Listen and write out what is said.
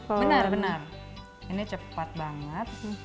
benar benar ini cepat banget